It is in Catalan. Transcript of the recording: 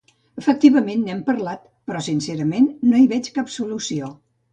Efectivament, n'hem parlat, però, sincerament, no hi veig cap solució.